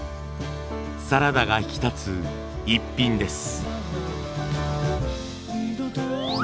サラダが引き立つイッピンです。